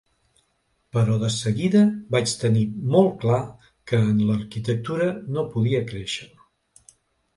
Però de seguida vaig tenir molt clar que en l’arquitectura no podia créixer.